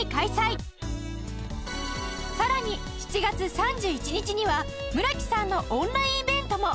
さらに７月３１日には村木さんのオンラインイベントも！